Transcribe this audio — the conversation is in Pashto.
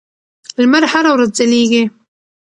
لمر هره ورځ ځلېږي.